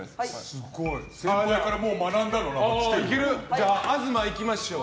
じゃあ、東、いきましょう。